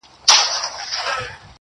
د لېوانو په څېر مخ په مخ ویدیږي!!